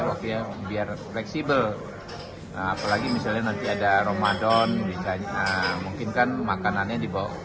waktunya biar fleksibel apalagi misalnya nanti ada romadhon bisa mungkinkan makanannya dibawa